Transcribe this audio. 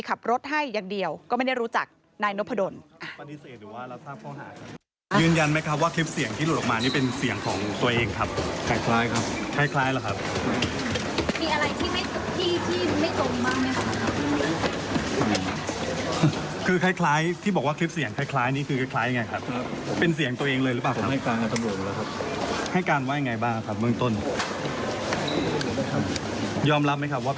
ขับรถให้อย่างเดียวก็ไม่ได้รู้จักนายนพดล